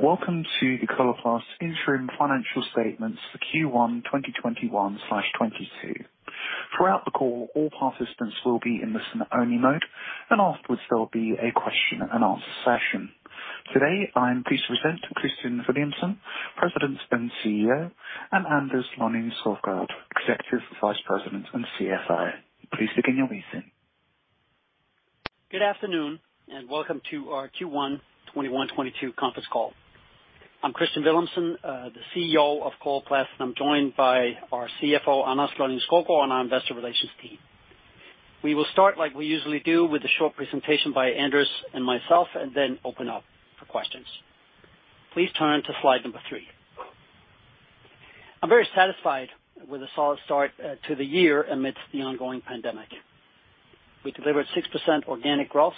Welcome to the Coloplast Interim Financial Statements for Q1 2021/22. Throughout the call, all participants will be in listen only mode, and afterwards, there will be a question and answer session. Today, I am pleased to present Kristian Villumsen, President and CEO, and Anders Lonning-Skovgaard, Executive Vice President and CFO. Please begin your briefing. Good afternoon and welcome to our Q1 2021/22 conference call. I'm Kristian Villumsen, the CEO of Coloplast, and I'm joined by our CFO, Anders Lonning-Skovgaard, and our investor relations team. We will start like we usually do with a short presentation by Anders and myself, and then open up for questions. Please turn to slide number three. I'm very satisfied with the solid start to the year amidst the ongoing pandemic. We delivered 6% organic growth,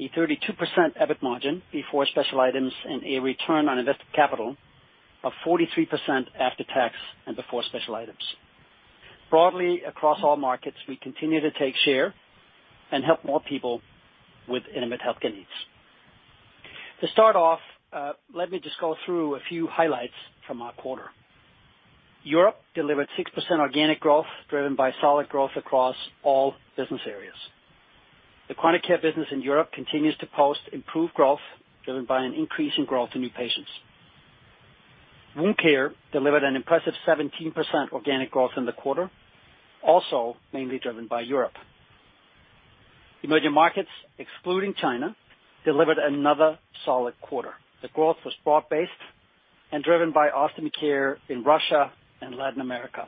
a 32% EBIT margin before special items, and a return on invested capital of 43 after tax and before special items. Broadly across all markets, we continue to take share and help more people with intimate healthcare needs. To start off, let me just go through a few highlights from our quarter. Europe delivered 6% organic growth, driven by solid growth across all business areas. The chronic care business in Europe continues to post improved growth, driven by an increase in growth in new Wound Care delivered an impressive 17% organic growth in the quarter, also mainly driven by Europe. Emerging markets, excluding China, delivered another solid quarter. The growth was broad-based and driven by Ostomy Care in Russia and Latin America.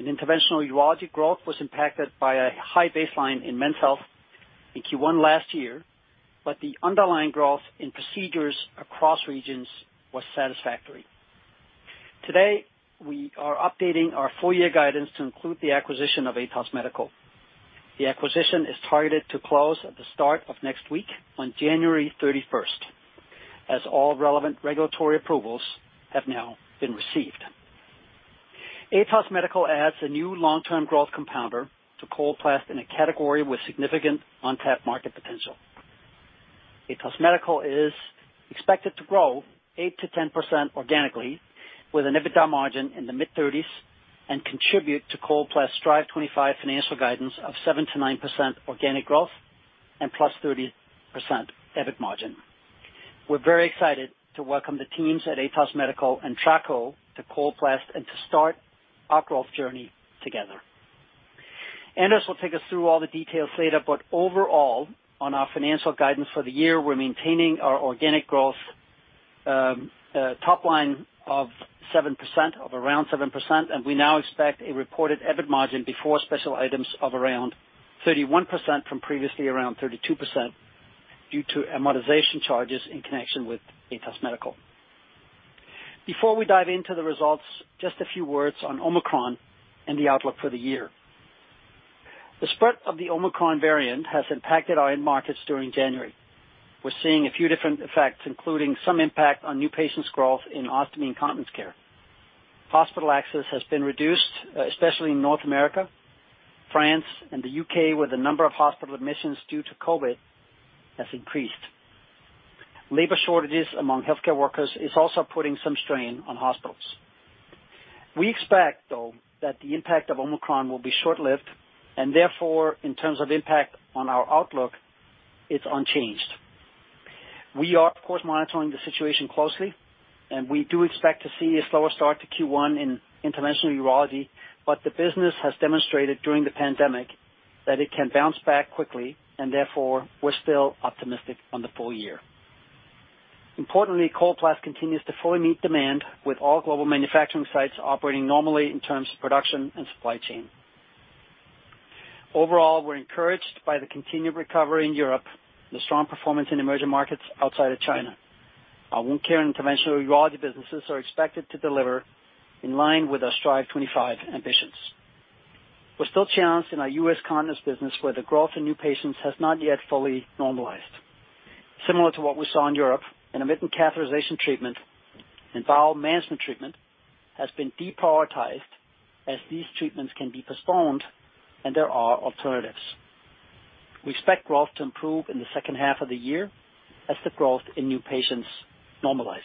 Interventional Urology, growth was impacted by a high baseline in Men's Health in Q1 last year, but the underlying growth in procedures across regions was satisfactory. Today, we are updating our full year guidance to include the acquisition of Atos Medical. The acquisition is targeted to close at the start of next week on January 31st, as all relevant regulatory approvals have now been received. Atos Medical adds a new long-term growth compounder to Coloplast in a category with significant untapped market potential. Atos Medical is expected to grow 8%-10% organically, with an EBITDA margin in the mid-30s% and contribute to Coloplast Strive25 financial guidance of 7%-9% organic growth and 30%+ EBIT margin. We're very excited to welcome the teams at Atos Medical and Tracoe to Coloplast and to start our growth journey together. Anders will take us through all the details later, but overall, on our financial guidance for the year, we're maintaining our organic growth top line of around 7%, and we now expect a reported EBIT margin before special items of around 31% from previously around 32% due to amortization charges in connection with Atos Medical. Before we dive into the results, just a few words on Omicron and the outlook for the year. The spread of the Omicron variant has impacted our end markets during January. We're seeing a few different effects, including some impact on new patients growth in ostomy and Continence Care. Hospital access has been reduced, especially in North America, France, and the U.K., where the number of hospital admissions due to COVID has increased. Labor shortages among healthcare workers is also putting some strain on hospitals. We expect, though, that the impact of Omicron will be short-lived, and therefore, in terms of impact on our outlook, it's unchanged. We are, of course, monitoring the situation closely, and we do expect to see a slower start to Q1 Interventional Urology, but the business has demonstrated during the pandemic that it can bounce back quickly, and therefore we're still optimistic on the full year. Importantly, Coloplast continues to fully meet demand with all global manufacturing sites operating normally in terms of production and supply chain. Overall, we're encouraged by the continued recovery in Europe and the strong performance in emerging markets outside of China. Interventional Urology businesses are expected to deliver in line with our Strive25 ambitions. We're still challenged in our U.S. continence business, where the growth in new patients has not yet fully normalized. Similar to what we saw in Europe, intermittent catheterization treatment and bowel management treatment has been deprioritized as these treatments can be postponed and there are alternatives. We expect growth to improve in the second half of the year as the growth in new patients normalizes.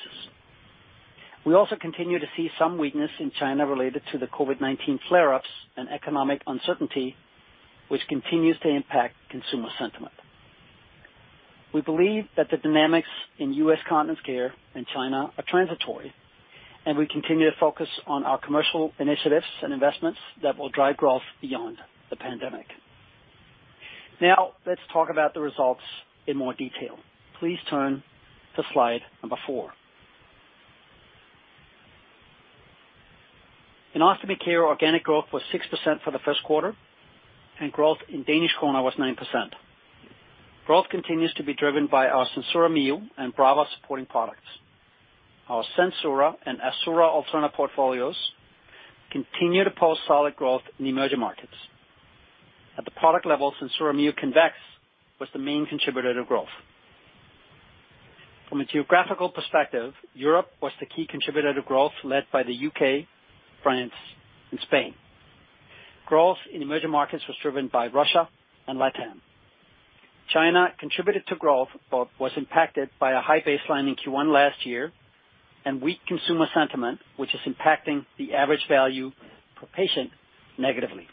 We also continue to see some weakness in China related to the COVID-19 flare-ups and economic uncertainty, which continues to impact consumer sentiment. We believe that the dynamics in U.S. Continence Care and China are transitory, and we continue to focus on our commercial initiatives and investments that will drive growth beyond the pandemic. Now, let's talk about the results in more detail. Please turn to slide number four. In Ostomy Care, organic growth was 6% for the first quarter, and growth in Danish kroner was 9%. Growth continues to be driven by our SenSura Mio and Brava supporting products. Our SenSura and Assura Alterna portfolios continue to post solid growth in emerging markets. At the product level, SenSura Mio Convex was the main contributor to growth. From a geographical perspective, Europe was the key contributor to growth, led by the U.K., France, and Spain. Growth in emerging markets was driven by Russia and Latin. China contributed to growth, but was impacted by a high baseline in Q1 last year and weak consumer sentiment, which is impacting the average value per patient negatively.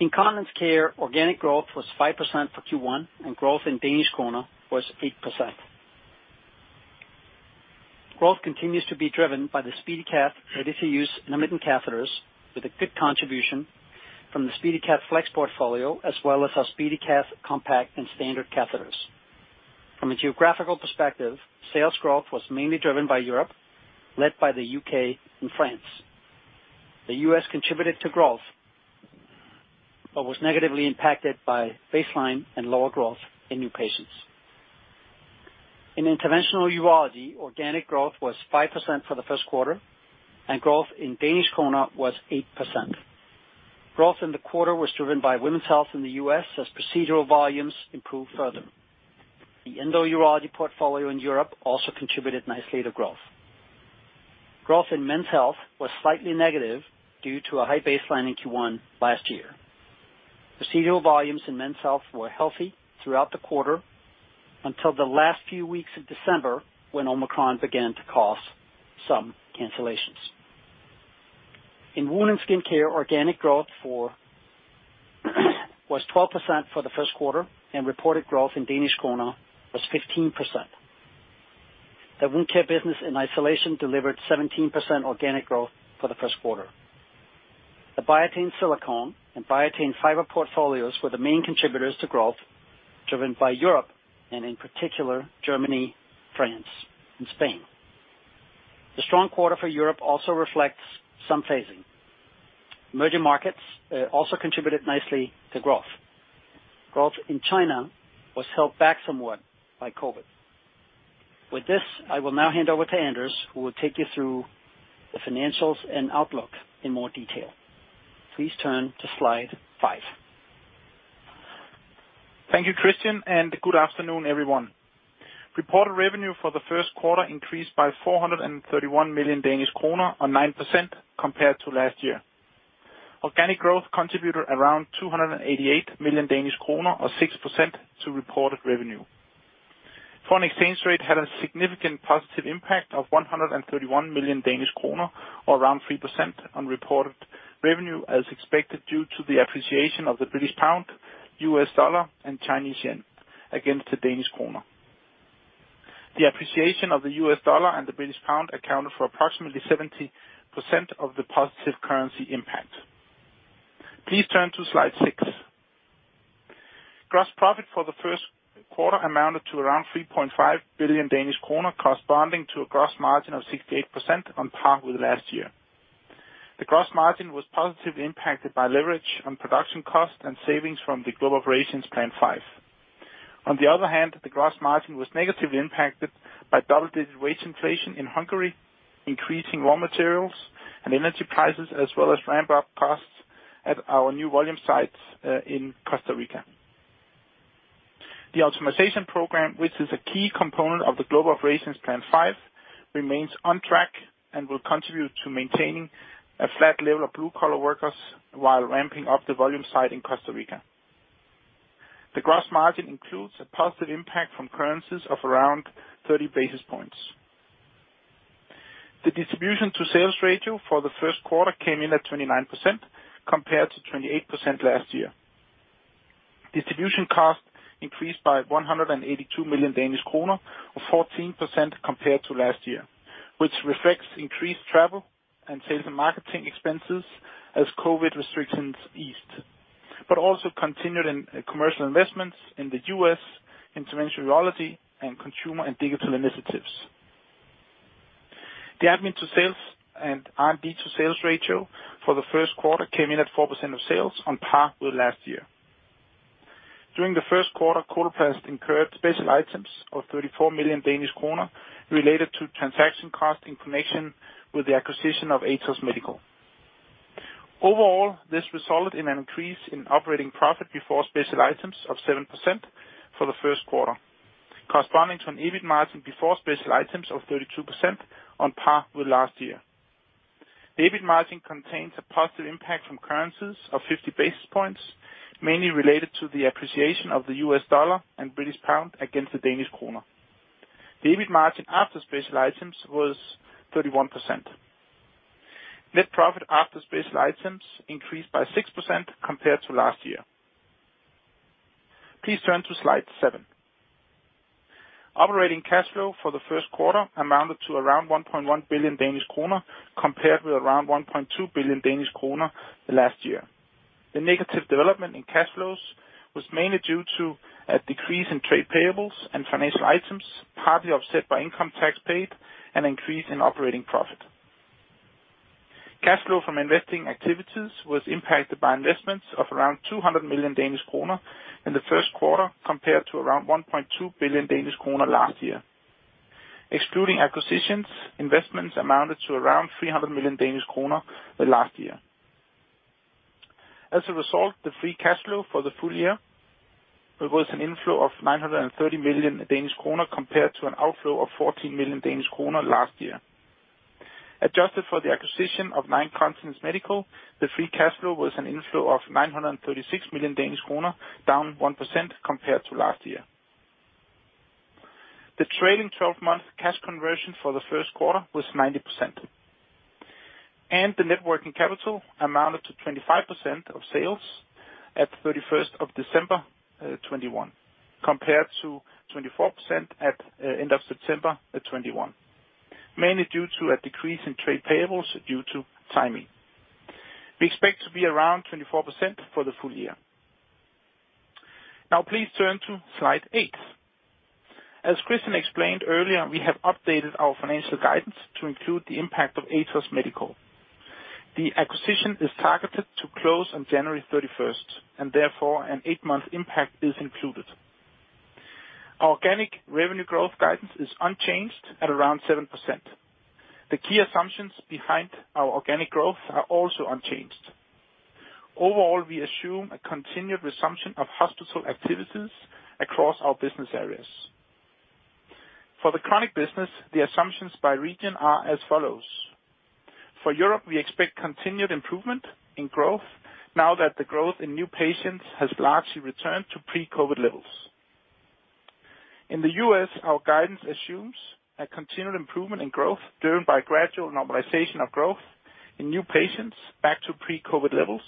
In Continence Care, organic growth was 5% for Q1, and growth in Danish kroner was 8%. Growth continues to be driven by the SpeediCath ready-to-use intermittent catheters with a good contribution from the SpeediCath Flex portfolio, as well as our SpeediCath Compact and Standard Catheters. From a geographical perspective, sales growth was mainly driven by Europe, led by the U.K. and France. The U.S. contributed to growth, but was negatively impacted by baseline and lower growth in new patients. Interventional Urology, organic growth was 5% for the first quarter and growth in Danish kroner was 8%. Growth in the quarter was driven Women's Health in the U.S. as procedural volumes improved further. The endoUrology portfolio in Europe also contributed nicely to growth. Growth in Men's Health was slightly negative due to a high baseline in Q1 last year. Procedural volumes in Men's Health were healthy throughout the quarter until the last few weeks of December, when Omicron began to cause some cancellations. In Wound and Skin Care, organic growth was 12% for the first quarter, and reported growth in Danish kroner was 15%. Wound Care business in isolation delivered 17% organic growth for the first quarter. The Biatain silicone and Biatain fiber portfolios were the main contributors to growth driven by Europe, and in particular Germany, France and Spain. The strong quarter for Europe also reflects some phasing. Emerging markets also contributed nicely to growth. Growth in China was held back somewhat by COVID. With this, I will now hand over to Anders, who will take you through the financials and outlook in more detail. Please turn to slide five. Thank you, Kristian, and good afternoon, everyone. Reported revenue for the first quarter increased by 431 million Danish kroner or 9% compared to last year. Organic growth contributed around 288 million Danish kroner or 6% to reported revenue. Foreign exchange rate had a significant positive impact of 131 million Danish kroner or around 3% on reported revenue as expected, due to the appreciation of the British pound, U.S. dollar and Chinese yuan against the Danish kroner. The appreciation of the U.S. dollar and the British pound accounted for approximately 70% of the positive currency impact. Please turn to slide six. Gross profit for the first quarter amounted to around 3.5 billion Danish kroner, corresponding to a gross margin of 68% on par with last year. The gross margin was positively impacted by leverage on production cost and savings from the Global Operations Plan 5. On the other hand, the gross margin was negatively impacted by double-digit wage inflation in Hungary, increasing raw materials and energy prices, as well as ramp up costs at our new volume sites in Costa Rica. The optimization program, which is a key component of the Global Operations Plan 5, remains on track and will contribute to maintaining a flat level of blue collar workers while ramping up the volume site in Costa Rica. The gross margin includes a positive impact from currencies of around 30 basis points. The distribution to sales ratio for the first quarter came in at 29% compared to 28% last year. Distribution costs increased by 182 million Danish kroner or 14% compared to last year, which reflects increased travel and sales and marketing expenses as COVID restrictions eased, but also continued in commercial investments in the Interventional Urology and consumer and digital initiatives. The admin-to-sales and R&D-to-sales ratio for the first quarter came in at 4% of sales on par with last year. During the first quarter, Coloplast incurred special items of 34 million Danish kroner related to transaction costs in connection with the acquisition of Atos Medical. Overall, this resulted in an increase in operating profit before special items of 7% for the first quarter, corresponding to an EBIT margin before special items of 32% on par with last year. The EBIT margin contains a positive impact from currencies of 50 basis points, mainly related to the appreciation of the U.S. dollar and British pound against the Danish kroner. The EBIT margin after special items was 31%. Net profit after special items increased by 6% compared to last year. Please turn to slide seven. Operating cash flow for the first quarter amounted to around 1.1 billion Danish kroner compared with around 1.2 billion Danish kroner last year. The negative development in cash flows was mainly due to a decrease in trade payables and financial items, partly offset by income tax paid and increase in operating profit. Cash flow from investing activities was impacted by investments of around 200 million Danish kroner in the first quarter, compared to around 1.2 billion Danish kroner last year. Excluding acquisitions, investments amounted to around 300 million Danish kroner the last year. As a result, the free cash flow for the full year. There was an inflow of 930 million Danish kroner compared to an outflow of 14 million Danish kroner last year. Adjusted for the acquisition of Nine Continents Medical, the free cash flow was an inflow of 936 million Danish kroner, down 1% compared to last year. The trailing 12-month cash conversion for the first quarter was 90%. The net working capital amounted to 25% of sales at December 31st, 2021, compared to 24% at end of September 2021, mainly due to a decrease in trade payables due to timing. We expect to be around 24% for the full year. Please turn to slide eight. As Kristian explained earlier, we have updated our financial guidance to include the impact of Atos Medical. The acquisition is targeted to close on January thirty-first, and therefore an eight-month impact is included. Our organic revenue growth guidance is unchanged at around 7%. The key assumptions behind our organic growth are also unchanged. Overall, we assume a continued resumption of hospital activities across our business areas. For the chronic business, the assumptions by region are as follows. For Europe, we expect continued improvement in growth now that the growth in new patients has largely returned to pre-COVID levels. In the U.S., our guidance assumes a continued improvement in growth driven by gradual normalization of growth in new patients back to pre-COVID levels,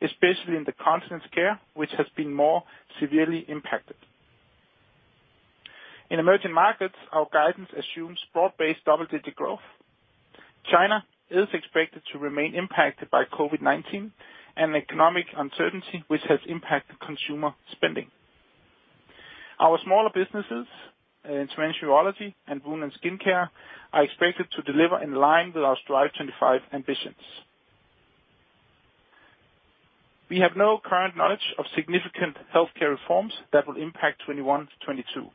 especially in the Continence Care, which has been more severely impacted. In emerging markets, our guidance assumes broad-based double-digit growth. China is expected to remain impacted by COVID-19 and economic uncertainty, which has impacted consumer spending. Our smaller businesses in urology and Gynecology and Wound and Skin Care are expected to deliver in line with our Strive25 ambitions. We have no current knowledge of significant healthcare reforms that will impact 2021 to 2022.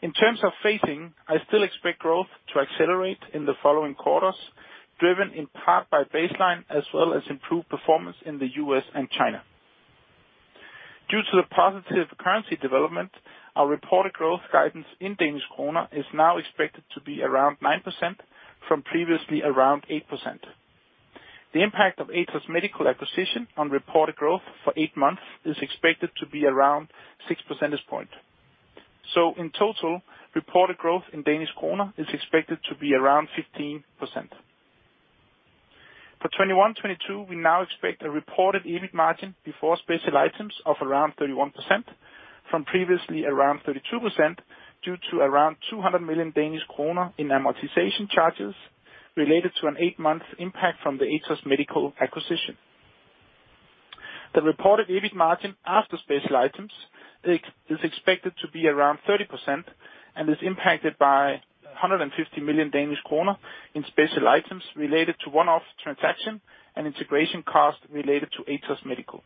In terms of phasing, I still expect growth to accelerate in the following quarters, driven in part by baseline as well as improved performance in the U.S. and China. Due to the positive currency development, our reported growth guidance in Danish kroner is now expected to be around 9% from previously around 8%. The impact of Atos Medical acquisition on reported growth for eight months is expected to be around 6 percentage points. In total, reported growth in Danish kroner is expected to be around 15%. For 2021, 2022, we now expect a reported EBIT margin before special items of around 31% from previously around 32% due to around 200 million Danish kroner in amortization charges related to an eight-month impact from the Atos Medical acquisition. The reported EBIT margin after special items is expected to be around 30% and is impacted by 150 million Danish kroner in special items related to one-off transaction and integration costs related to Atos Medical.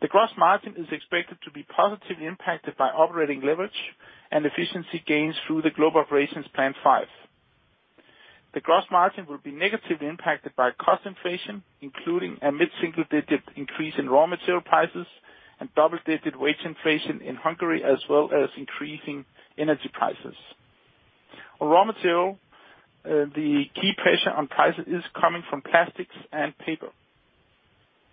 The gross margin is expected to be positively impacted by operating leverage and efficiency gains through the Global Operations Plan 5. The gross margin will be negatively impacted by cost inflation, including a mid-single-digit increase in raw material prices and double-digit wage inflation in Hungary, as well as increasing energy prices. On raw material, the key pressure on prices is coming from plastics and paper.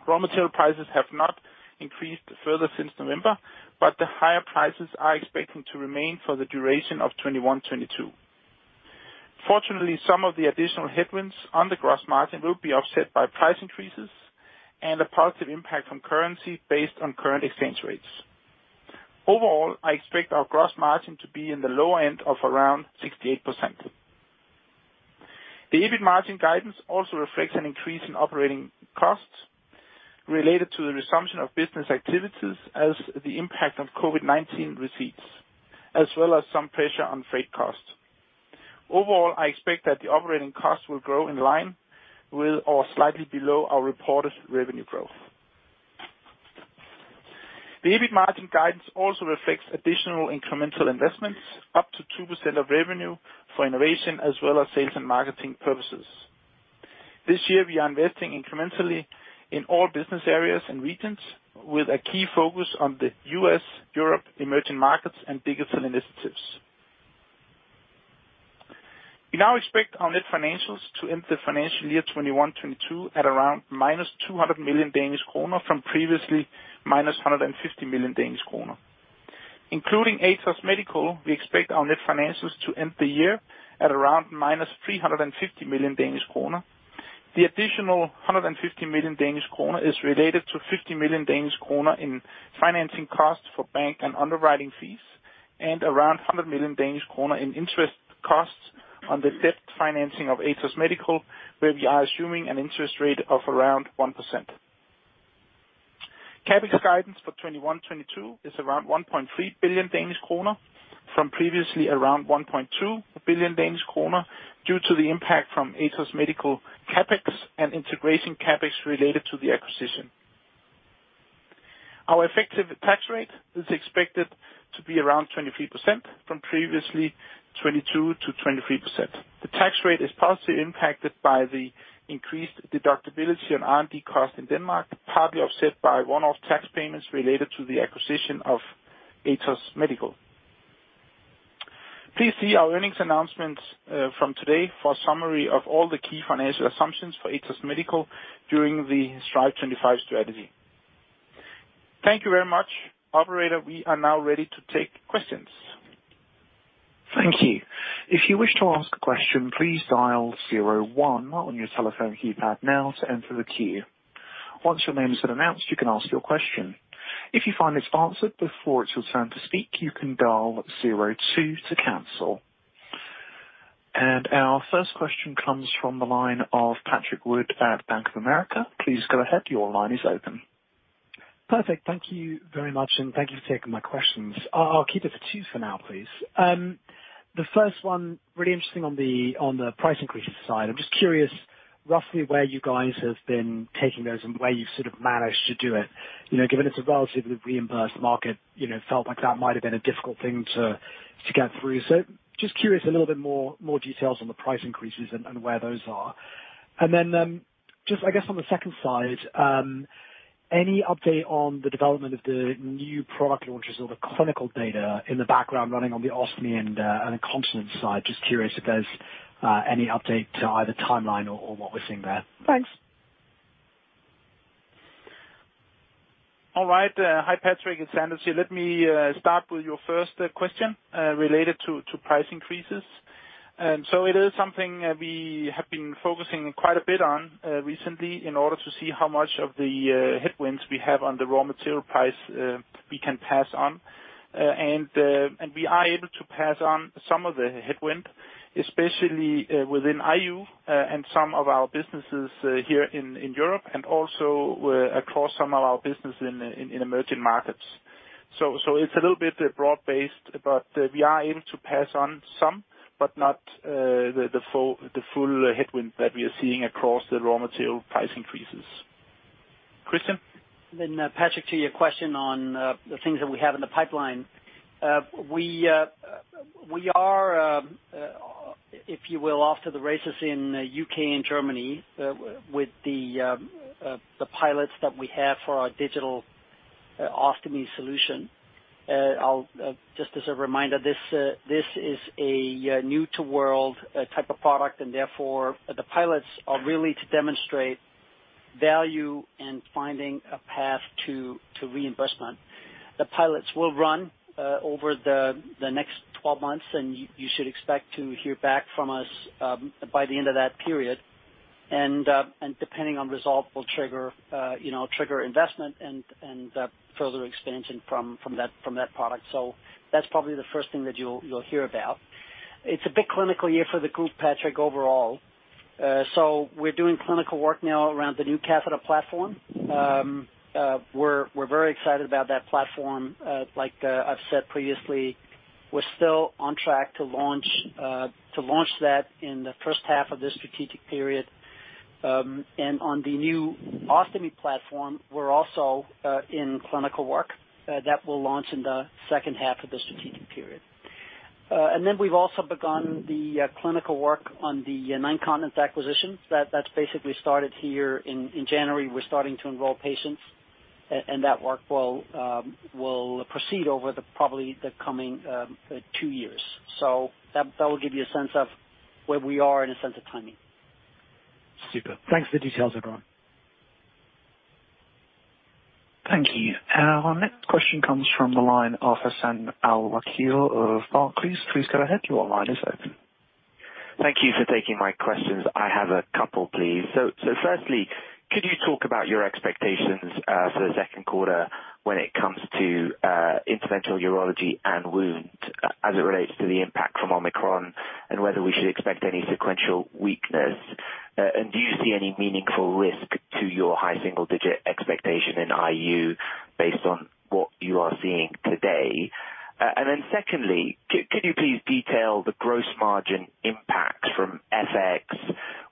Raw material prices have not increased further since November, but the higher prices are expected to remain for the duration of 2021, 2022. Fortunately, some of the additional headwinds on the gross margin will be offset by price increases and a positive impact from currency based on current exchange rates. Overall, I expect our gross margin to be in the low end of around 68%. The EBIT margin guidance also reflects an increase in operating costs related to the resumption of business activities as the impact of COVID-19 recedes, as well as some pressure on freight costs. Overall, I expect that the operating costs will grow in line with or slightly below our reported revenue growth. The EBIT margin guidance also reflects additional incremental investments up to 2% of revenue for innovation as well as sales and marketing purposes. This year we are investing incrementally in all business areas and regions with a key focus on the U.S., Europe, emerging markets and digital initiatives. We now expect our net financials to end the financial year 2021/22 at around -200 million Danish kroner from previously -150 million Danish kroner. Including Atos Medical, we expect our net financials to end the year at around -+350 million Danish kroner. The additional 150 million Danish kroner is related to 50 million Danish kroner in financing costs for bank and underwriting fees, and around 100 million Danish kroner in interest costs on the debt financing of Atos Medical, where we are assuming an interest rate of around 1%. CapEx guidance for 2021, 2022 is around 1.3 billion Danish kroner from previously around 1.2 billion Danish kroner due to the impact from Atos Medical CapEx and integration CapEx related to the acquisition. Our effective tax rate is expected to be around 23% from previously 22%-23%. The tax rate is positively impacted by the increased deductibility on R&D costs in Denmark, partly offset by one-off tax payments related to the acquisition of Atos Medical. Please see our earnings announcements from today for a summary of all the key financial assumptions for Atos Medical during the Strive25 strategy. Thank you very much. Operator, we are now ready to take questions. Thank you. If you wish to ask a question, please dial zero one on your telephone keypad now to enter the queue. Once your name is announced, you can ask your question. If you find it's answered before it's your turn to speak, you can dial zero two to cancel. Our first question comes from the line of Patrick Wood at Bank of America. Please go ahead. Your line is open. Perfect. Thank you very much, and thank you for taking my questions. I'll keep it to two for now, please. The first one, really interesting on the price increases side. I'm just curious roughly where you guys have been taking those and where you've sort of managed to do it. You know, given it's a relatively reimbursed market, you know, felt like that might have been a difficult thing to get through. Just curious a little bit more details on the price increases and where those are. Just I guess on the second side, any update on the development of the new product launches or the clinical data in the background running on the ostomy and incontinence side? Just curious if there's any update to either timeline or what we're seeing there. Thanks. All right. Hi, Patrick, it's Anders here. Let me start with your first question related to price increases. It is something that we have been focusing quite a bit on recently in order to see how much of the headwinds we have on the raw material price we can pass on. We are able to pass on some of the headwind, especially within IU and some of our businesses here in Europe and also across some of our business in emerging markets. It's a little bit broad-based, but we are able to pass on some, but not the full headwind that we are seeing across the raw material price increases. Kristian? Patrick, to your question on the things that we have in the pipeline. We are, if you will, off to the races in the U.K. and Germany with the pilots that we have for our digital ostomy solution. Just as a reminder, this is a new to world type of product, and therefore, the pilots are really to demonstrate value and finding a path to reimbursement. The pilots will run over the next 12 months, and you should expect to hear back from us by the end of that period. Depending on result will trigger you know trigger investment and further expansion from that product. That's probably the first thing that you'll hear about. It's a big clinical year for the group, Patrick, overall. We're doing clinical work now around the new catheter platform. We're very excited about that platform. I've said previously, we're still on track to launch that in the first half of this strategic period. On the new ostomy platform, we're also in clinical work that will launch in the second half of the strategic period. We've also begun the clinical work on the Nine Continents acquisition. That's basically started here in January. We're starting to enroll patients. That work will proceed over probably the coming two years. That will give you a sense of where we are in a sense of timing. Super. Thanks for the details, everyone. Thank you. Our next question comes from the line of Hassan Al-Wakeel of Barclays. Please go ahead. Your line is open. Thank you for taking my questions. I have a couple, please. Firstly, could you talk about your expectations for the second quarter when it comes Interventional Urology and Wound as it relates to the impact from Omicron and whether we should expect any sequential weakness? Do you see any meaningful risk to your high single-digit expectation in IU based on what you are seeing today? Secondly, can you please detail the gross margin impact from FX,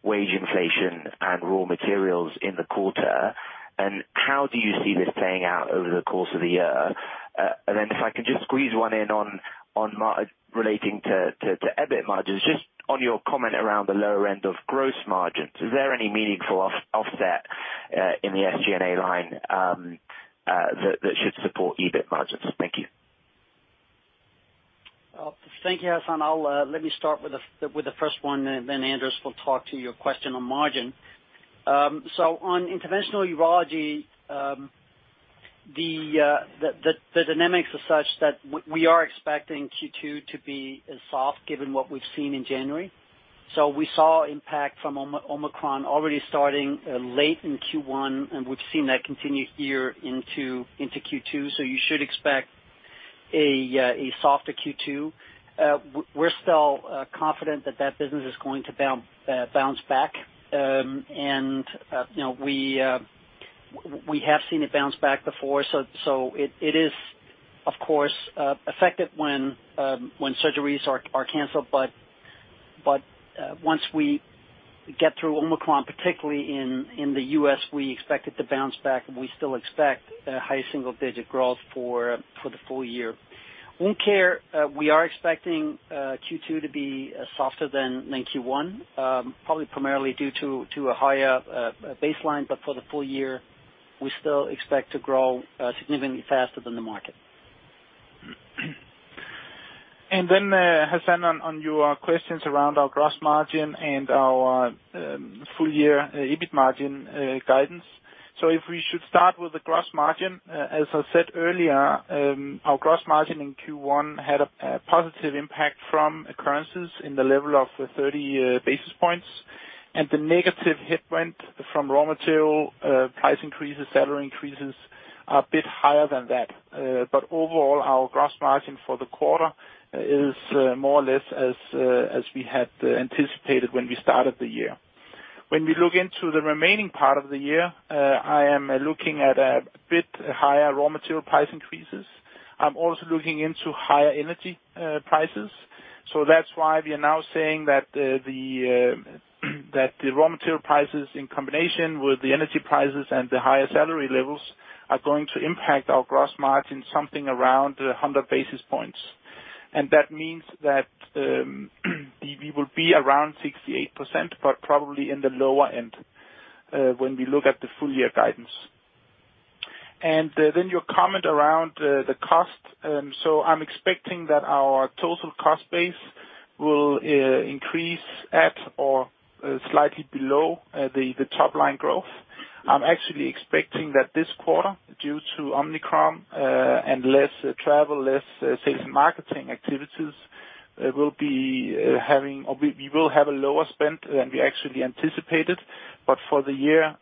wage inflation and raw materials in the quarter? And how do you see this playing out over the course of the year? If I can just squeeze one in on margins relating to EBIT margins, just on your comment around the lower end of gross margins, is there any meaningful offset in the SG&A line that should support EBIT margins? Thank you. Thank you, Hassan. Let me start with the first one, and then Anders will talk to your question on margin. Interventional Urology, the dynamics are such that we are expecting Q2 to be as soft given what we've seen in January. We saw impact from Omicron already starting late in Q1, and we've seen that continue here into Q2. You should expect a softer Q2. We're still confident that that business is going to bounce back. You know, we have seen it bounce back before, so it is of course affected when surgeries are canceled, but once we get through Omicron, particularly in the U.S., we expect it to bounce back, and we still expect a high single-digit growth for the full year. Home care, we are expecting Q2 to be softer than Q1, probably primarily due to a higher baseline, but for the full year, we still expect to grow significantly faster than the market. Hassan, on your questions around our gross margin and our full year EBIT margin guidance. If we should start with the gross margin, as I said earlier, our gross margin in Q1 had a positive impact from currencies in the level of 30 basis points, and the negative hit came from raw material price increases, salary increases a bit higher than that. But overall, our gross margin for the quarter is more or less as we had anticipated when we started the year. When we look into the remaining part of the year, I am looking at a bit higher raw material price increases. I'm also looking into higher energy prices. That's why we are now saying that the raw material prices in combination with the energy prices and the higher salary levels are going to impact our gross margin something around 100 basis points. That means that we will be around 68%, but probably in the lower end when we look at the full year guidance. Then your comment around the cost. I'm expecting that our total cost base will increase at or slightly below the top line growth. I'm actually expecting that this quarter, due to Omicron, and less travel, less sales and marketing activities, we will have a lower spend than we actually anticipated. for the year,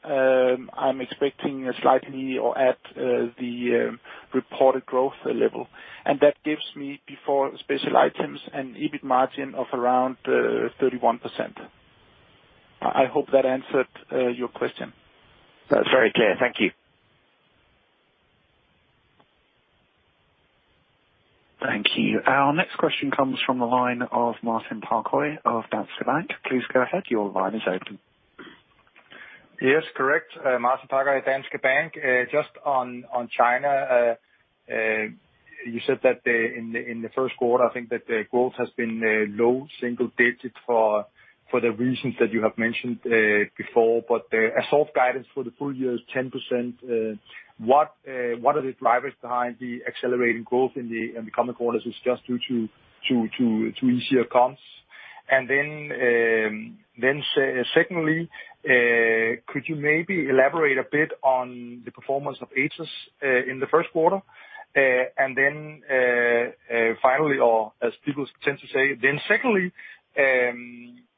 I'm expecting slightly or at the reported growth level, and that gives me, before special items, an EBIT margin of around 31%. I hope that answered your question. That's very clear. Thank you. Thank you. Our next question comes from the line of Martin Parkhøi of Danske Bank. Please go ahead. Your line is open. Yes, correct. Martin Parkhøi, Danske Bank. Just on China, you said that in the first quarter, I think that the growth has been low single digits for the reasons that you have mentioned before. The overall guidance for the full year is 10%. What are the drivers behind the accelerating growth in the coming quarters? Is it just due to easier comps? Secondly, could you maybe elaborate a bit on the performance of Atos in the first quarter?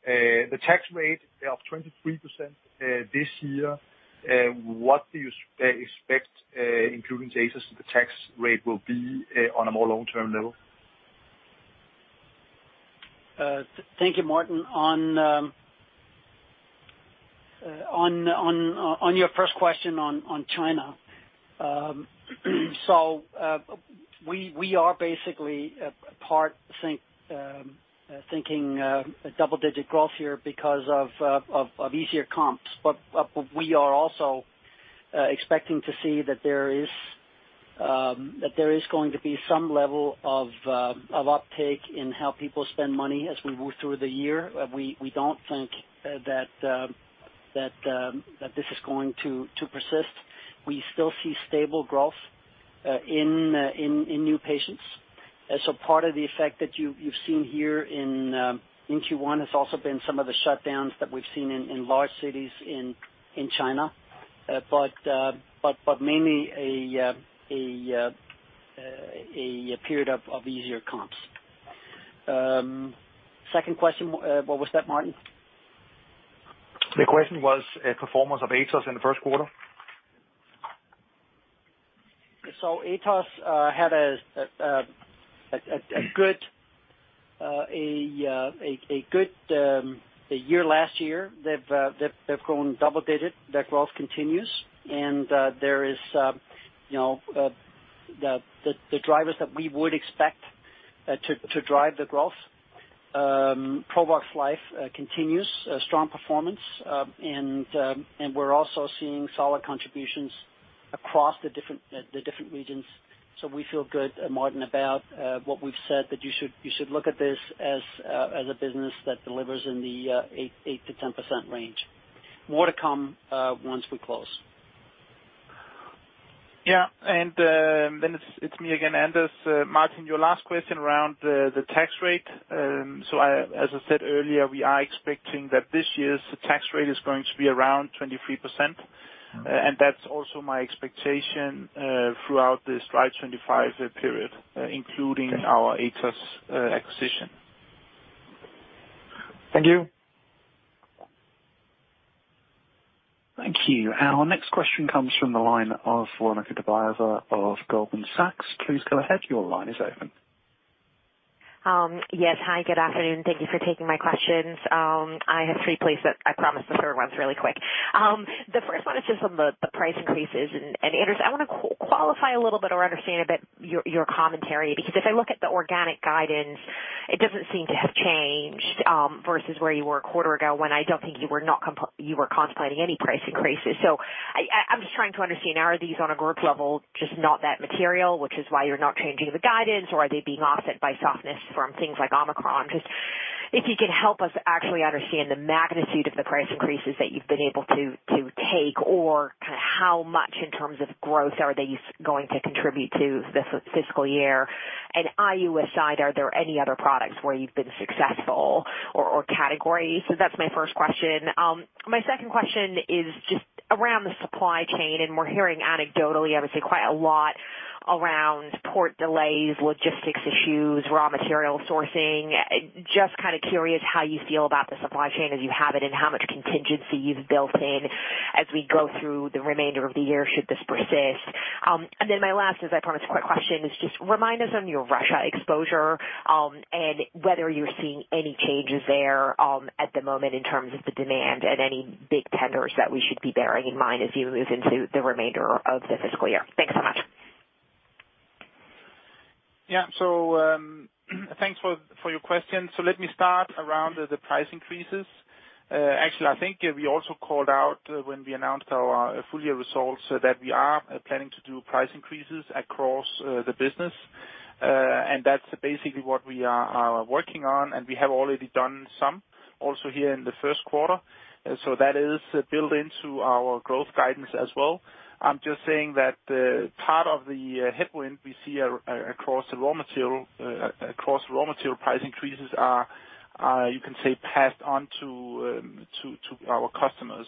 The tax rate of 23% this year, what do you expect, including Atos, the tax rate will be on a more long-term level? Thank you, Martin. On your first question on China. We are basically thinking double-digit growth here because of easier comps. We are also expecting to see that there is going to be some level of uptake in how people spend money as we move through the year. We don't think that this is going to persist. We still see stable growth in new patients. Part of the effect that you've seen here in Q1 has also been some of the shutdowns that we've seen in large cities in China. But mainly a period of easier comps. Second question, what was that, Martin? The question was a performance of Atos Medical in the first quarter. Atos had a good year last year. They've grown double-digit. Their growth continues. There are the drivers that we would expect to drive the growth. Provox Life continues a strong performance, and we're also seeing solid contributions across the different regions. We feel good, Martin, about what we've said, that you should look at this as a business that delivers in the 8%-10% range. More to come once we close. It's me again, Anders. Martin, your last question around the tax rate. So, as I said earlier, we are expecting that this year's tax rate is going to be around 23%, and that's also my expectation throughout the Strive25 period, including our Atos acquisition. Thank you. Thank you. Our next question comes from the line of Veronika Dubajova of Goldman Sachs. Please go ahead. Your line is open. Yes. Hi, good afternoon. Thank you for taking my questions. I have three questions. I promise the third one's really quick. The first one is just on the price increases. Anders, I want to qualify a little bit or understand a bit your commentary, because if I look at the organic guidance, it doesn't seem to have changed versus where you were a quarter ago when I don't think you were contemplating any price increases. I'm just trying to understand, are these on a group level just not that material, which is why you're not changing the guidance? Or are they being offset by softness from things like Omicron? Just if you could help us actually understand the magnitude of the price increases that you've been able to take, or kind of how much in terms of growth are they going to contribute to this fiscal year? And U.S. side, are there any other products where you've been successful or categories? That's my first question. My second question is just around the supply chain, and we're hearing anecdotally, obviously quite a lot around port delays, logistics issues, raw material sourcing. Just kind of curious how you feel about the supply chain as you have it and how much contingency you've built in as we go through the remainder of the year should this persist? My last, as I promised, quick question is just remind us on your Russia exposure, and whether you're seeing any changes there, at the moment in terms of the demand and any big tenders that we should be bearing in mind as you move into the remainder of the fiscal year. Thanks so much. Thanks for your question. Let me start around the price increases. Actually, I think we also called out when we announced our full year results that we are planning to do price increases across the business. And that's basically what we are working on, and we have already done some also here in the first quarter. That is built into our growth guidance as well. I'm just saying that part of the headwind we see across raw material price increases are you can say passed on to our customers.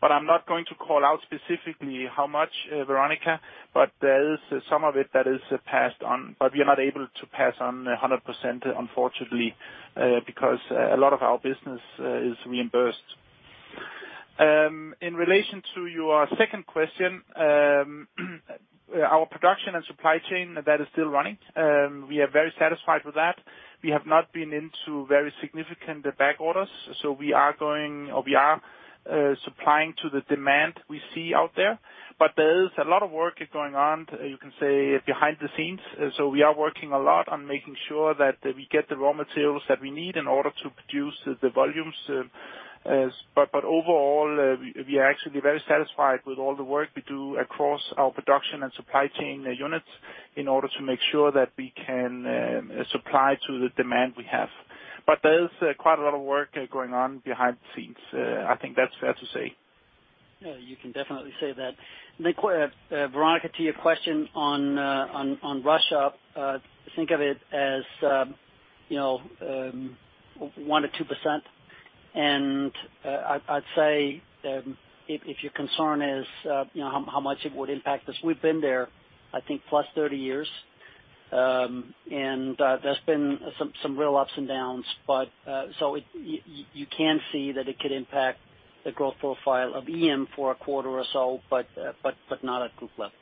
I'm not going to call out specifically how much, Veronika, but there is some of it that is passed on, but we are not able to pass on 100% unfortunately, because a lot of our business is reimbursed. In relation to your second question, our production and supply chain that is still running, we are very satisfied with that. We have not been into very significant back orders. We are supplying to the demand we see out there. There is a lot of work going on, you can say, behind the scenes. We are working a lot on making sure that we get the raw materials that we need in order to produce the volumes. Overall, we are actually very satisfied with all the work we do across our production and supply chain units in order to make sure that we can supply to the demand we have. There is quite a lot of work going on behind the scenes. I think that's fair to say. Yeah, you can definitely say that. Veronika, to your question on Russia, think of it as 1%-2%. I'd say, if your concern is how much it would impact us, we've been there, I think 30+ years. There's been some real ups and downs, but so you can see that it could impact the growth profile of EM for a quarter or so, but not at group level.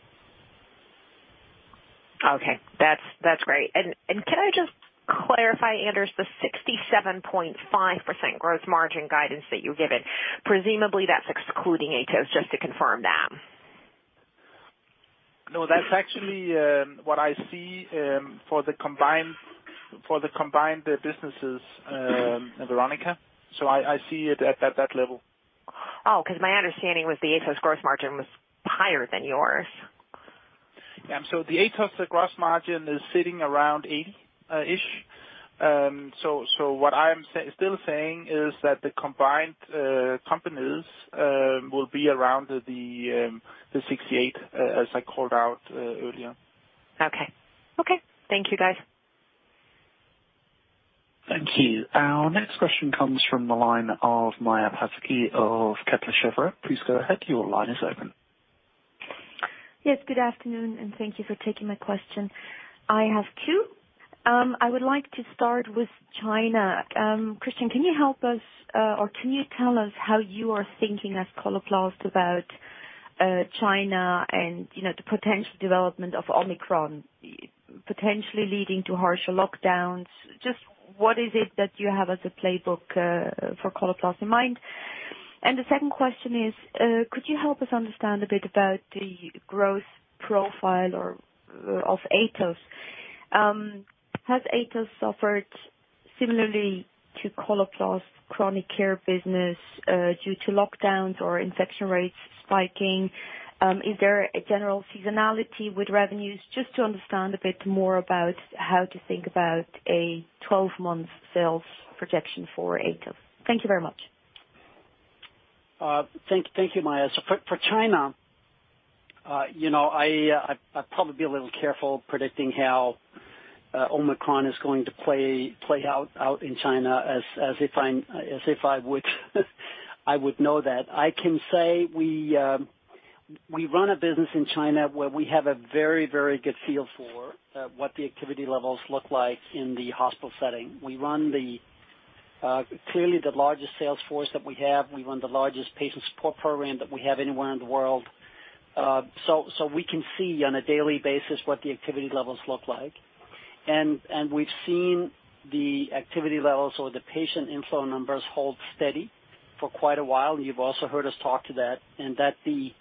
Okay. That's great. Can I just clarify, Anders, the 67.5% gross margin guidance that you've given, presumably that's excluding Atos, just to confirm that? No, that's actually what I see for the combined businesses, Veronika. I see it at that level. Oh, 'cause my understanding was the Atos gross margin was higher than yours. Yeah. The Atos gross margin is sitting around 80% ish. What I'm still saying is that the combined companies will be around the 68%, as I called out earlier. Okay. Thank you, guys. Thank you. Our next question comes from the line of Maja Pataki of Kepler Cheuvreux. Please go ahead. Your line is open. Yes, good afternoon, and thank you for taking my question. I have two. I would like to start with China. Kristian, can you help us, or can you tell us how you are thinking at Coloplast about China and, you know, the potential development of Omicron potentially leading to harsher lockdowns? Just what is it that you have as a playbook for Coloplast in mind? And the second question is, could you help us understand a bit about the growth profile of Atos? Has Atos suffered similarly to Coloplast chronic care business due to lockdowns or infection rates spiking? Is there a general seasonality with revenues just to understand a bit more about how to think about a 12-month sales projection for Atos? Thank you very much. Thank you, Maja. For China, you know, I'd probably be a little careful predicting how Omicron is going to play out in China as if I would know that. I can say we run a business in China where we have a very good feel for what the activity levels look like in the hospital setting. We run. Clearly the largest sales force that we have, we run the largest patient support program that we have anywhere in the world. So we can see on a daily basis what the activity levels look like. We've seen the activity levels or the patient inflow numbers hold steady for quite a while. You've also heard us talk about that the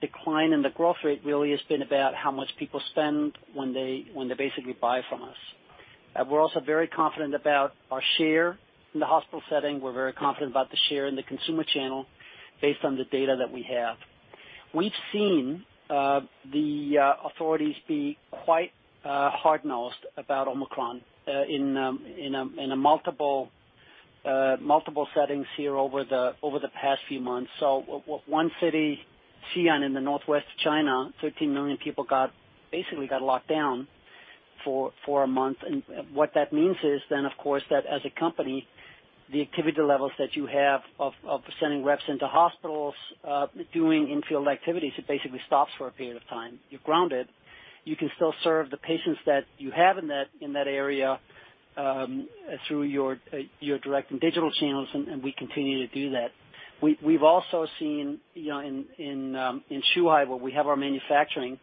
decline in the growth rate really has been about how much people spend when they basically buy from us. We're also very confident about our share in the hospital setting. We're very confident about the share in the consumer channel based on the data that we have. We've seen the authorities be quite hard-nosed about Omicron in multiple settings here over the past few months. One city, Xi'an, in northwest China, 13 million people basically got locked down for a month. What that means is then, of course, that as a company, the activity levels that you have of sending reps into hospitals, doing in-field activities, it basically stops for a period of time. You're grounded. You can still serve the patients that you have in that area, through your direct and digital channels, and we continue to do that. We've also seen, you know, in Zhuhai, where we have our manufacturing,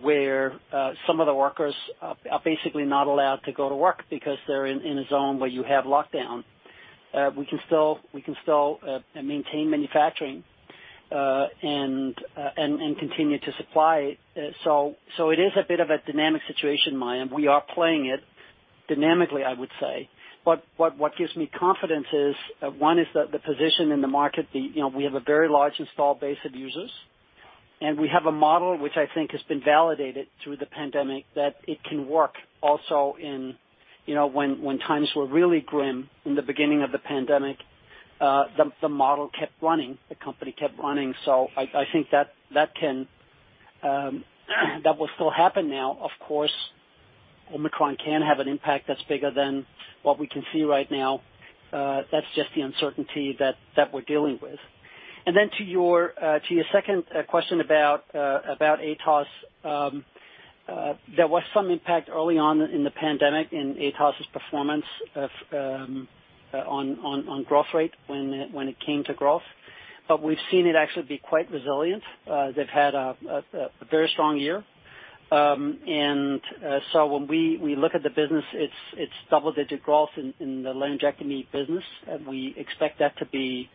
where some of the workers are basically not allowed to go to work because they're in a zone where you have lockdown. We can still maintain manufacturing and continue to supply. It is a bit of a dynamic situation, Maja. We are playing it dynamically, I would say. What gives me confidence is one is the position in the market. You know, we have a very large installed base of users, and we have a model which I think has been validated through the pandemic that it can work also in, you know, when times were really grim in the beginning of the pandemic, the model kept running. The company kept running. I think that will still happen now. Of course, Omicron can have an impact that's bigger than what we can see right now. That's just the uncertainty that we're dealing with. To your second question about Atos. There was some impact early on in the pandemic in Atos's performance on growth rate when it came to growth. We've seen it actually be quite resilient. They've had a very strong year. When we look at the business, it's double-digit growth in the laryngectomy business, and we expect that to be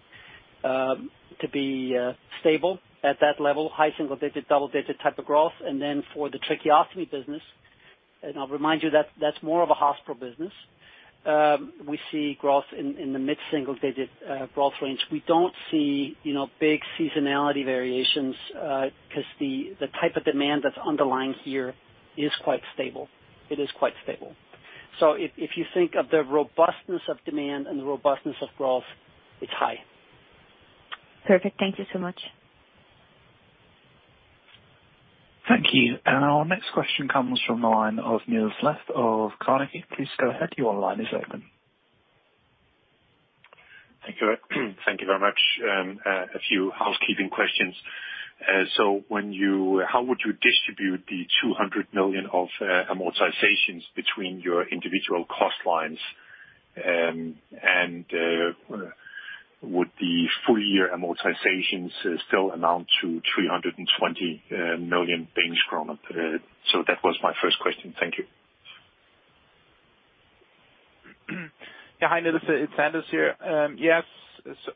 stable at that level, high single-digit, double-digit type of growth. For the tracheostomy business, I'll remind you that that's more of a hospital business, we see growth in the mid-single-digit growth range. We don't see, you know, big seasonality variations, 'cause the type of demand that's underlying here is quite stable. It is quite stable. If you think of the robustness of demand and the robustness of growth, it's high. Perfect. Thank you so much. Thank you. Our next question comes from the line of Niels Granholm-Leth of Carnegie. Please go ahead. Your line is open. Thank you. Thank you very much. A few housekeeping questions. How would you distribute the 200 million of amortizations between your individual cost lines? Would the full year amortizations still amount to 320 million Danish kroner? That was my first question. Thank you. Hi, Nils. It's Anders here. Yes,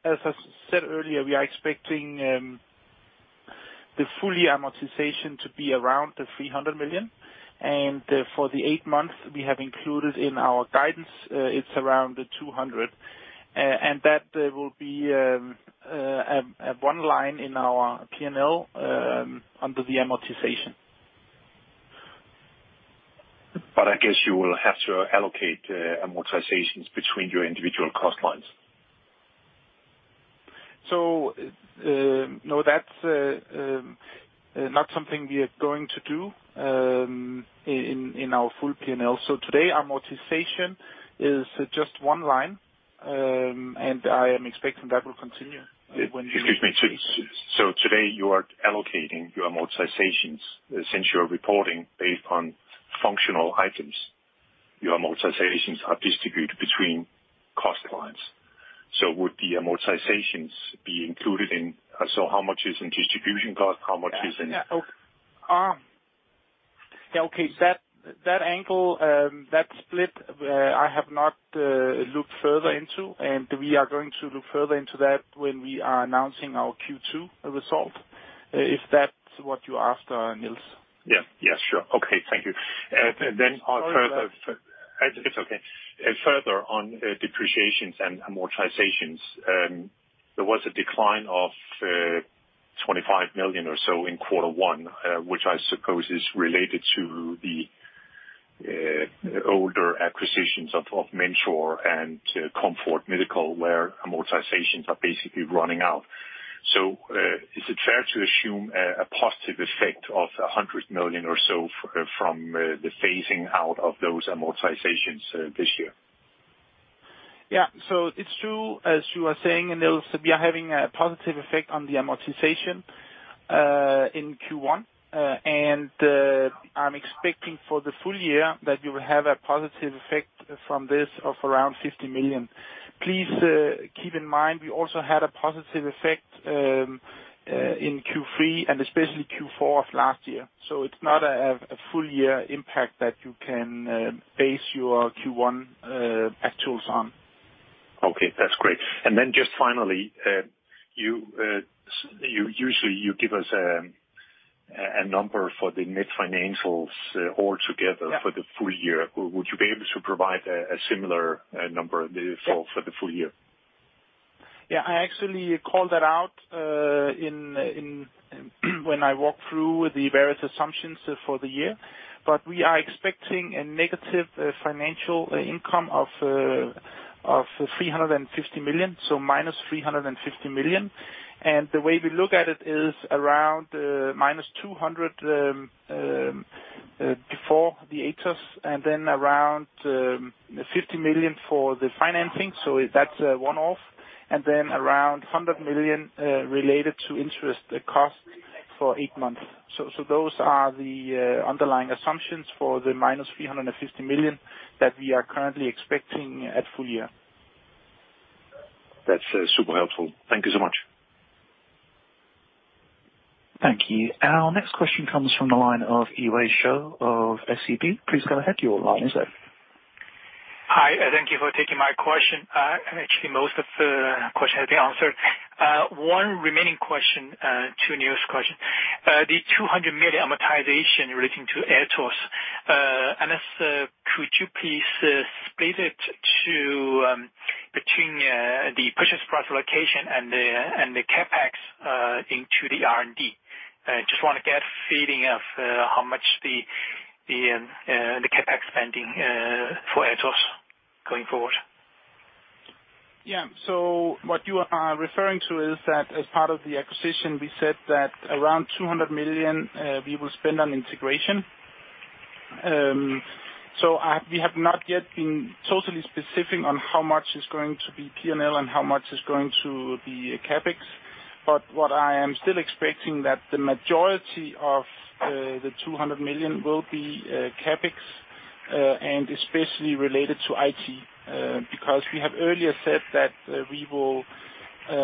as I said earlier, we are expecting the full year amortization to be around 300 million. For the eight months we have included in our guidance, it's around 200. And that will be one line in our P&L, under the amortization. I guess you will have to allocate amortizations between your individual cost lines. No, that's not something we are going to do in our full P&L. Today, amortization is just one line. I am expecting that will continue when we- Excuse me. Today you are allocating your amortizations. Since you are reporting based on functional items, your amortizations are distributed between cost lines. Would the amortizations be included in distribution cost? How much is in distribution cost? Yeah. Okay. That angle, that split, I have not looked further into, and we are going to look further into that when we are announcing our Q2 result, if that's what you asked, Niels. Yeah. Yeah. Sure. Okay. Thank you, further- Sorry about that. It's okay. Further on, depreciations and amortizations, there was a decline of 25 million or so in quarter one, which I suppose is related to the older acquisitions of Mentor and Comfort Medical, where amortizations are basically running out. Is it fair to assume a positive effect of 100 million or so from the phasing out of those amortizations this year? Yeah. It's true, as you are saying, Niels, we are having a positive effect on the amortization. In Q1. I'm expecting for the full year that you will have a positive effect from this of around 50 million. Please keep in mind, we also had a positive effect in Q3 and especially Q4 of last year. It's not a full year impact that you can base your Q1 actuals on. Okay, that's great. Just finally, you usually give us a number for the net financials altogether. Yeah. for the full year. Would you be able to provide a similar number this fall for the full year? Yeah. I actually called that out in when I walked through the various assumptions for the year. We are expecting a negative financial income of 350 million, so -350 million. The way we look at it is around -200 million before the Atos, and then around 50 million for the financing. That's a one-off, and then around 100 million related to interest cost for eight months. Those are the underlying assumptions for the minus 350 million that we are currently expecting at full year. That's super helpful. Thank you so much. Thank you. Our next question comes from the line of [Yi-Dan Wang] of SEB. Please go ahead. Your line is open. Hi, thank you for taking my question. Actually, most of the questions have been answered. One remaining question, two new questions. The 200 million amortization relating to Atos. Anders, could you please split it between the purchase price allocation and the CapEx and the R&D? Just wanna get feeling for how much the CapEx spending for Atos going forward. What you are referring to is that as part of the acquisition, we said that around 200 million we will spend on integration. We have not yet been totally specific on how much is going to be P&L and how much is going to be CapEx. What I am still expecting that the majority of the 200 million will be CapEx, and especially related to IT, because we have earlier said that we will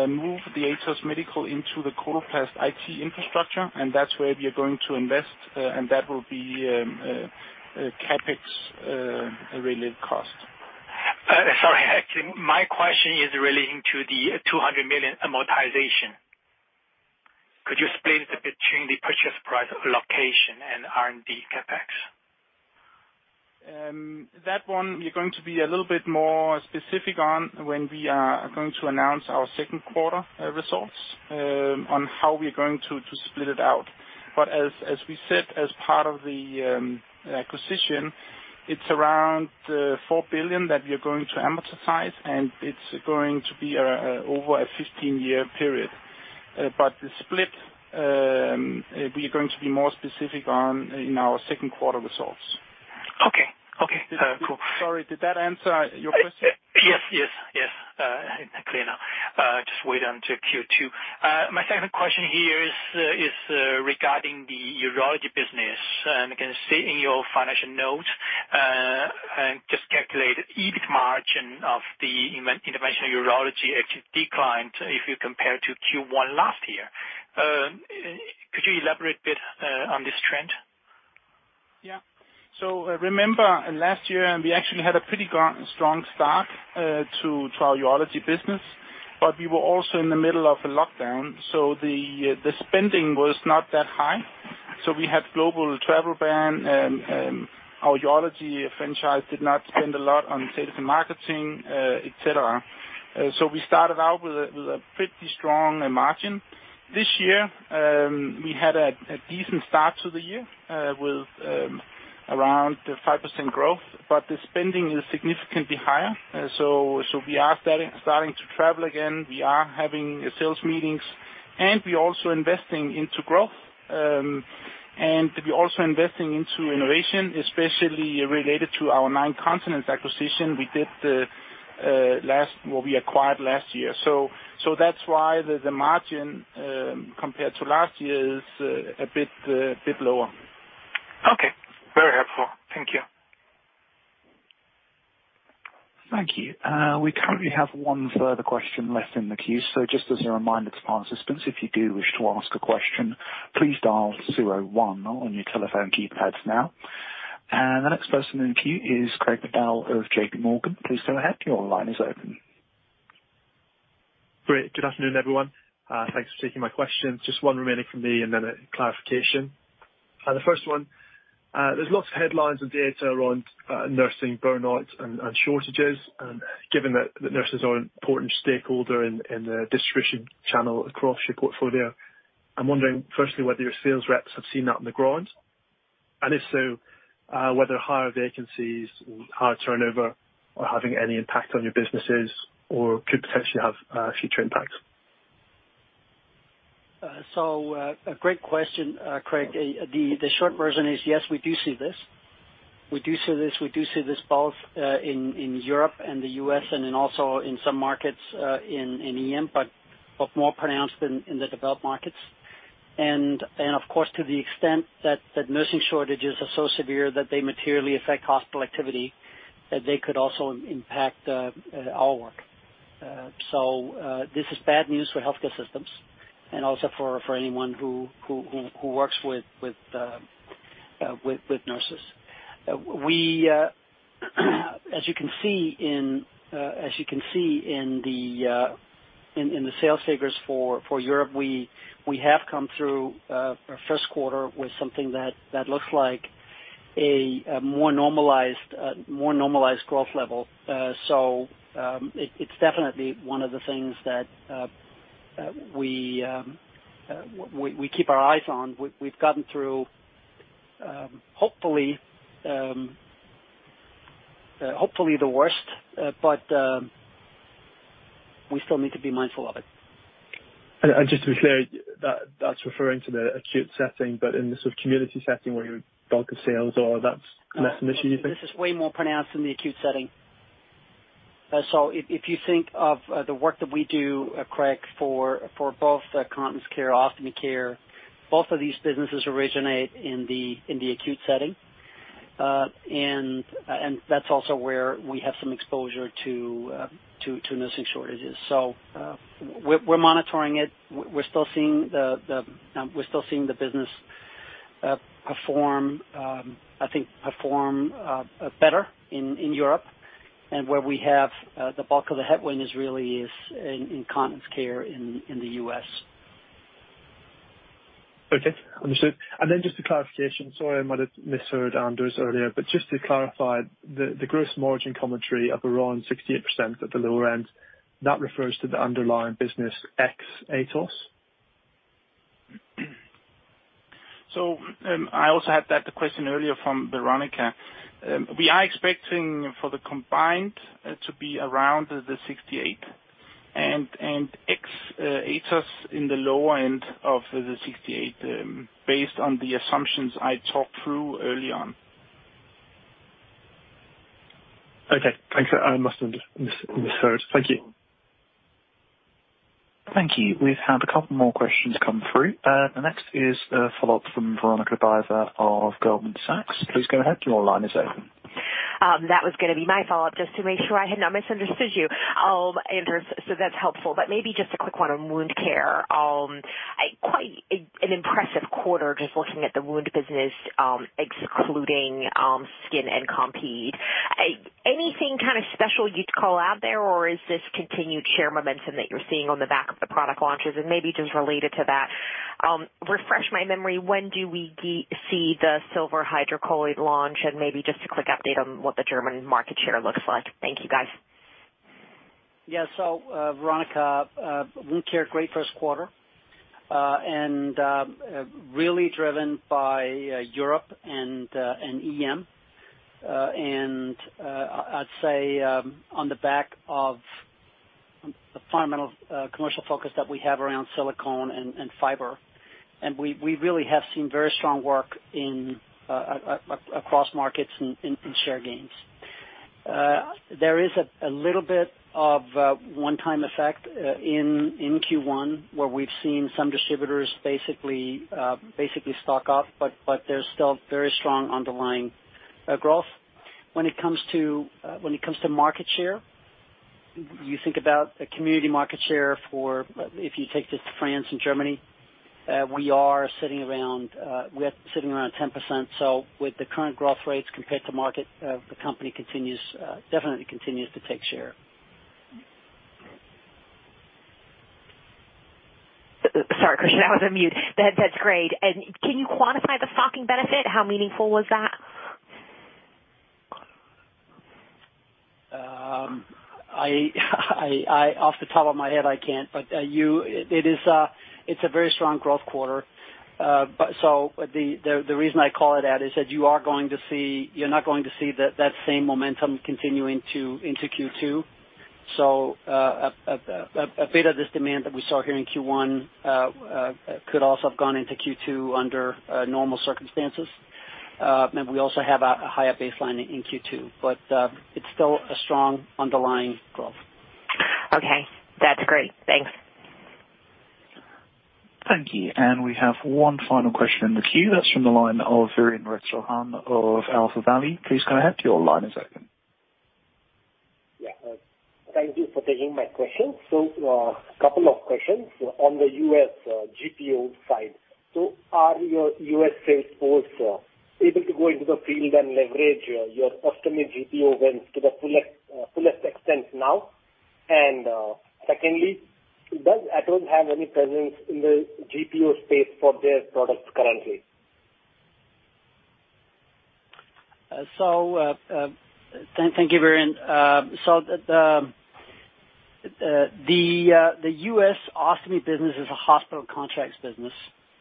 move the Atos Medical into the Coloplast IT infrastructure, and that's where we are going to invest, and that will be a CapEx related cost. Sorry. Actually, my question is relating to the 200 million amortization. Could you split it between the purchase price allocation and R&D CapEx? That one, we're going to be a little bit more specific on when we are going to announce our second quarter results on how we're going to split it out. As we said, as part of the acquisition, it's around 4 billion that we are going to amortize, and it's going to be over a 15-year period. The split, we are going to be more specific on in our second quarter results. Okay. Cool. Sorry, did that answer your question? Yes, yes. Clear now. Just wait until Q2. My second question here is regarding the Urology business. I can see in your financial notes. I just calculated EBIT margin of Interventional Urology actually declined if you compare to Q1 last year. Could you elaborate a bit on this trend? Yeah. Remember last year, we actually had a pretty strong start to our Urology business, but we were also in the middle of a lockdown, so the spending was not that high. We had global travel ban, our Urology franchise did not spend a lot on sales and marketing, etc. We started out with a pretty strong margin. This year, we had a decent start to the year with around 5% growth, but the spending is significantly higher. We are starting to travel again, we are having sales meetings, and we're also investing into growth. We're also investing into innovation, especially related to our Nine Continents acquisition we did last year. That's why the margin compared to last year is a bit lower. Okay. Very helpful. Thank you. Thank you. We currently have one further question left in the queue. Just as a reminder to participants, if you do wish to ask a question, please dial zero one on your telephone keypads now. The next person in the queue is Craig McDowell of JPMorgan. Please go ahead. Your line is open. Great. Good afternoon, everyone. Thanks for taking my questions. Just one remaining from me and then a clarification. The first one, there's lots of headlines and data around nursing burnout and shortages. Given that the nurses are an important stakeholder in the distribution channel across your portfolio, I'm wondering, firstly, whether your sales reps have seen that on the ground. If so, whether higher vacancies or higher turnover are having any impact on your businesses or could potentially have future impacts. A great question, Craig. The short version is, yes, we do see this. We do see this both in Europe and the U.S. and then also in some markets in EM, but more pronounced than in the developed markets. Of course to the extent that nursing shortages are so severe that they materially affect hospital activity, that they could also impact our work. This is bad news for healthcare systems and also for anyone who works with nurses. As you can see in the sales figures for Europe, we have come through our first quarter with something that looks like a more normalized growth level. It's definitely one of the things that we keep our eyes on. We've gotten through, hopefully the worst, but we still need to be mindful of it. Just to be clear, that's referring to the acute setting, but in the sort of community setting where your bulk of sales are, that's less an issue you think? This is way more pronounced in the acute setting. If you think of the work that we do, Craig, for both Continence Care, Ostomy Care, both of these businesses originate in the acute setting. That's also where we have some exposure to nursing shortages. We're monitoring it. We're still seeing the business perform, I think, better in Europe. Where we have the bulk of the headwind is really in Continence Care in the U.S. Okay. Understood. Just a clarification. Sorry, I might have misheard, Anders, earlier, but just to clarify, the gross margin commentary of around 68% at the lower end, that refers to the underlying business ex-Atos? I also had that question earlier from Veronika. We are expecting for the combined to be around 68%, and ex Atos in the lower end of 68%, based on the assumptions I talked through early on. Okay. Thanks. I must have misheard. Thank you. Thank you. We've had a couple more questions come through. The next is a follow-up from Veronika Dubajova of Goldman Sachs. Please go ahead. Your line is open. That was gonna be my follow-up, just to make sure I had not misunderstood you, Anders, so that's helpful. Maybe just a quick one Wound Care. quite an impressive quarter just looking at the Wound business, excluding skin and Compeed. Anything kind of special you'd call out there, or is this continued share momentum that you're seeing on the back of the product launches? Maybe just related to that, refresh my memory, when do we get to see the silver hydrocolloid launch, and maybe just a quick update on what the German market share looks like. Thank you, guys. Wound Care, great first quarter. Really driven by Europe and EM. I'd say on the back of the fundamental commercial focus that we have around silicone and fiber. We really have seen very strong work across markets in share gains. There is a little bit of one-time effect in Q1, where we've seen some distributors basically stock up, but there's still very strong underlying growth. When it comes to market share, you think about a community market share for, if you take this to France and Germany, we are sitting around 10%. With the current growth rates compared to market, the company continues, definitely, to take share. Sorry, Kristian, I was on mute. That's great. Can you quantify the stocking benefit? How meaningful was that? Off the top of my head, I can't, but it is a very strong growth quarter. The reason I call it that is that you are going to see that you're not going to see that same momentum continuing into Q2. A bit of this demand that we saw here in Q1 could also have gone into Q2 under normal circumstances. We also have a higher baseline in Q2. It's still a strong underlying growth. Okay. That's great. Thanks. Thank you. We have one final question in the queue. That's from the line of Virendra Chauhan of AlphaValue. Please go ahead. Your line is open. Yeah. Thank you for taking my question. Couple of questions on the U.S. GPO side. Are your U.S. sales force able to go into the field and leverage your custom GPO wins to the fullest extent now? Secondly, does Atos have any presence in the GPO space for their products currently? Thank you, Viren. The U.S. ostomy business is a hospital contracts business.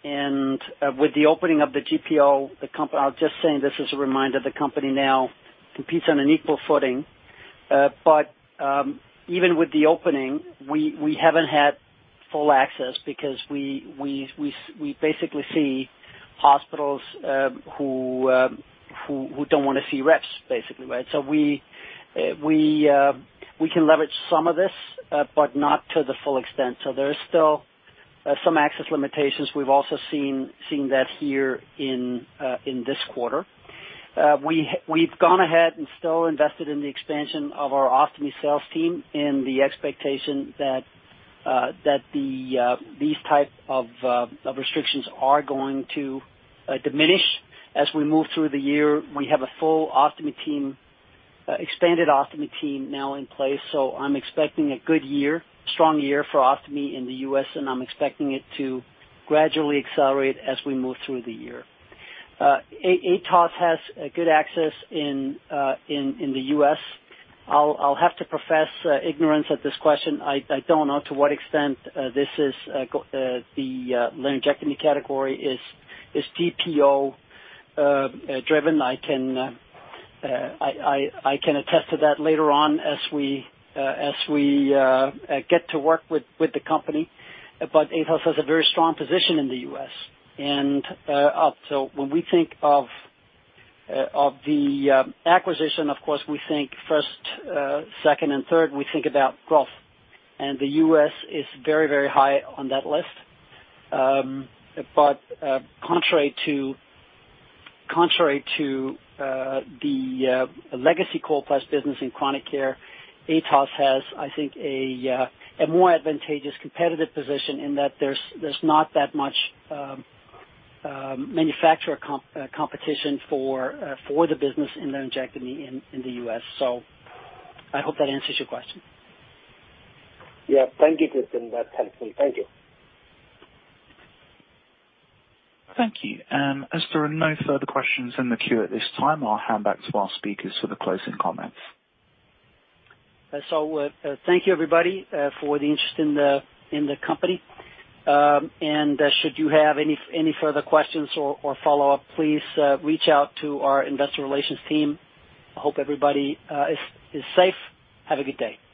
With the opening of the GPO, I'll just say this as a reminder, the company now competes on an equal footing. Even with the opening, we haven't had full access because we basically see hospitals who don't wanna see reps basically, right? We can leverage some of this, but not to the full extent. There is still some access limitations. We've also seen that here in this quarter. We've gone ahead and still invested in the expansion of our Ostomy sales team in the expectation that these type of restrictions are going to diminish as we move through the year. We have a full Ostomy team, expanded Ostomy team now in place. I'm expecting a good year, strong year for Ostomy in the U.S. and I'm expecting it to gradually accelerate as we move through the year. Atos has a good access in the U.S. I'll have to profess ignorance at this question. I don't know to what extent the laryngeal category is GPO driven. I can attest to that later on as we get to work with the company. Atos has a very strong position in the U.S. and up. When we think of the acquisition, of course, we think first, second and third, we think about growth. The U.S. is very, very high on that list. Contrary to the legacy Coloplast business in chronic care, Atos has, I think, a more advantageous competitive position in that there's not that much manufacturer competition for the business in laryngectomy in the U.S. I hope that answers your question. Yeah. Thank you, Kristian. That's helpful. Thank you. Thank you. As there are no further questions in the queue at this time, I'll hand back to our speakers for the closing comments. Thank you everybody for the interest in the company. Should you have any further questions or follow-up, please reach out to our investor relations team. I hope everybody is safe. Have a good day.